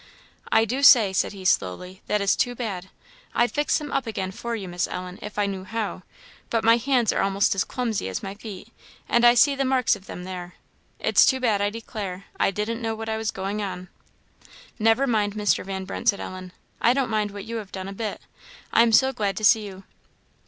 "I do say," said he, slowly, "that is too bad. I'd fix them up again for you, Miss Ellen, if I knew how; but my hands are a'most as clumsy as my feet, and I see the marks of them there; it's too bad, I declare; I didn't know what I was going on." "Never mind, Mr. Van Brunt," said Ellen, "I don't mind what you have done, a bit. I'm so glad to see you!"